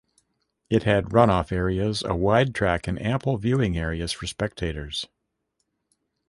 It had run-off areas, a wide track and ample viewing areas for spectators.